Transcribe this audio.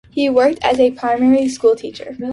He worked as a primary school teacher.